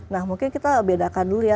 nah mungkin kita bedakan dulu ya